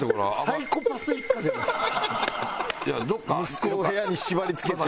息子を部屋に縛りつけて。